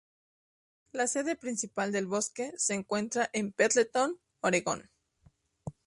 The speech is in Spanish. La sede principal del bosque se encuentra en Pendleton, Oregón.